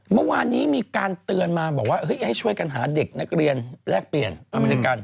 เมื่อวานนี้มีการเตือนมาบอกว่าให้ช่วยกันหาเด็กนักเรียนแลกเปลี่ยนอเมริกัน